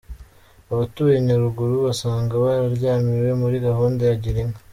Abatuye Nyaruguru basanga bararyamiwe muri gahunda ya girinka